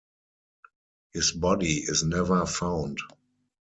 His body is never found.